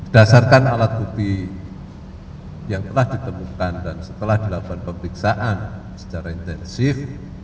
dasarkan alat bukti yang telah ditemukan dan setelah dilakukan pemeriksaan secara intensif